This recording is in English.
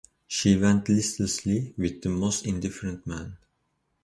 She went listlessly with the most indifferent men.